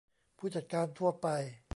ผู้จัดการทั่วไป